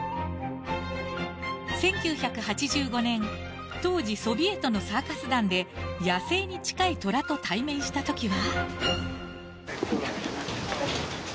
１９８５年当時、ソビエトのサーカス団で野生に近いトラと対面したときは。